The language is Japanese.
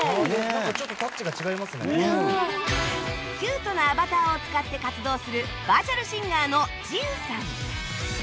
キュートなアバターを使って活動するバーチャルシンガーの慈雨さん